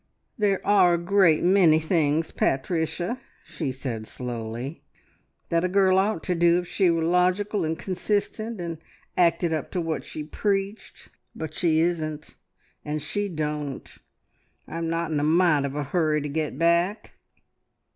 "There are a great many things, Pat ricia," she said slowly, "that a girl ought to do if she were logical, and consistent, and acted up to what she preached. But she isn't, and she don't. I'm not in a mite of a hurry to get back..."